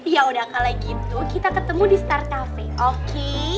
yaudah kalau gitu kita ketemu di star cafe oke